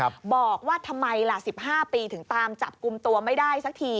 บอกว่าทำไมล่ะสิบห้าปีถึงตามจับกลุ่มตัวไม่ได้สักที